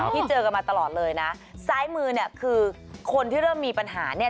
เจอกันมาตลอดเลยนะซ้ายมือเนี่ยคือคนที่เริ่มมีปัญหาเนี่ย